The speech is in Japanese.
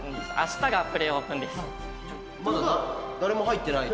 まだ誰も入ってない。